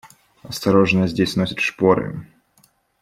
Осторожно, здесь носят шпоры.